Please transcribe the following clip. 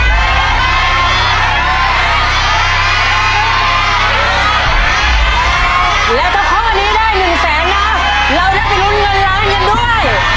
แล้วก็ข้อนี้ได้๑แสนนะเราได้ไปลุ้นกันร้านอย่างด้วย